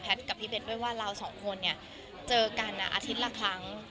กับพี่เบ้นด้วยว่าเราสองคนเนี่ยเจอกันอาทิตย์ละครั้ง